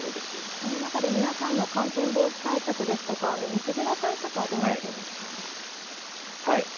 その中で、皆さんの感染防止対策ですとか、水際対策はどうなっていますか？